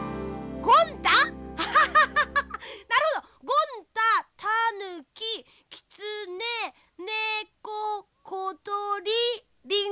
ゴン太たぬききつねねこことりりんごゴン太。